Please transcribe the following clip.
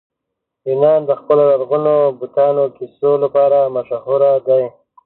یونان د خپلو لرغونو بتانو کیسو لپاره مشهوره دی.